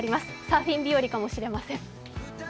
サーフィン日和かもしれません。